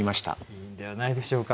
いいんではないでしょうか。